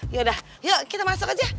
yaudah yuk kita masuk aja